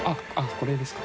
これですか？